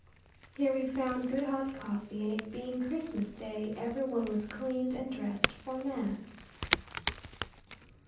Here we found good hot coffee, and it being Christmas day, every one was cleaned and dressed for mass.